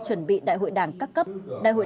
chuẩn bị đại hội đảng cấp cấp đại hội